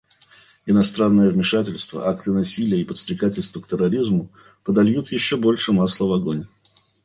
Иностранное вмешательство, акты насилия и подстрекательство к терроризму подольют еще больше масла в огонь.